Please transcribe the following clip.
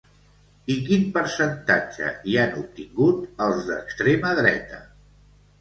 I quin percentatge hi han obtingut els d'extrema dreta?